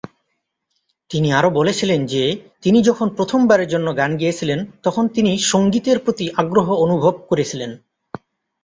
তিনি আরও বলেছিলেন যে তিনি যখন প্রথমবারের জন্য গান গেয়েছিলেন তখন তিনি সঙ্গীতের প্রতি আগ্রহ অনুভব করেছিলেন।